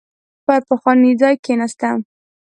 پر پخواني ځای کېناسته.